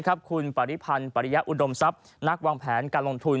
คุณปริพันธ์ปริยะอุดมทรัพย์นักวางแผนการลงทุน